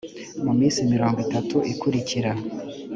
muminsi mirongo itatu ikurikira